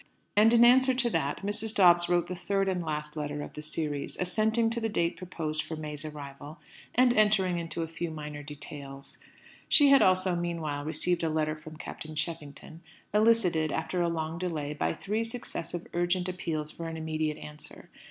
And in answer to that, Mrs. Dobbs wrote the third and last letter of the series, assenting to the date proposed for May's arrival, and entering into a few minor details. She had also, meanwhile, received a letter from Captain Cheffington, elicited, after a long delay, by three successive urgent appeals for an immediate answer.